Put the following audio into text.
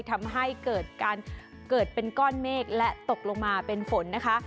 ทำให้เกิดการเกิดเป็นก้อนเมฆและตกลงมาเป็นฝนนะคะ